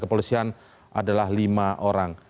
kepolisian adalah lima orang